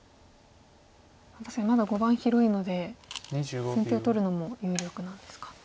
確かにまだ碁盤広いので先手を取るのも有力なんですか。